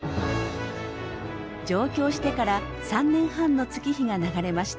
上京してから３年半の月日が流れました。